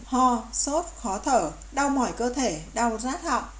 ho sốt khó thở đau mỏi cơ thể đau rát họng